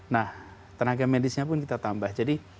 nah tenaga medisnya pun kita tambah jadi